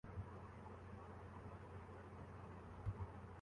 He published many books and papers about the history and stories of West Auckland.